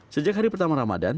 sejak hari pertama ramadan